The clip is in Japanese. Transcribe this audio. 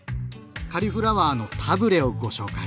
カリフラワーのタブレをご紹介。